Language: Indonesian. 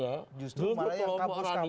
justru mana yang kapus kapus ini